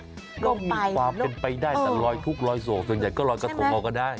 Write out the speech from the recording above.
ก็มีความเป็นไปได้แต่ลอยทุกข์ลอยโศกส่วนใหญ่ก็ลอยกระทงเอาก็ได้